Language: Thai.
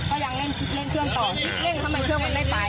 ก็ยังเร่งเครื่องต่อคิดเร่งทำไมเครื่องมันไม่ไป